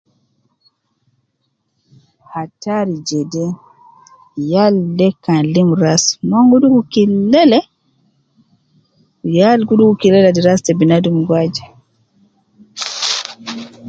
Hatari jede, yal de kan limu rasu, umon gi dugu kilele. Ya gi dugu kilele ladi rasu ta binadum giwaja.